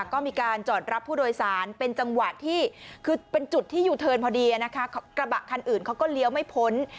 ก็มีการจอดรับผู้โดยสารเป็นจังหวะที่คือเป็นจุดที่ยูเทิร์นพอดีนะคะกระบะคันอื่นเขาก็เลี้ยวไม่พ้น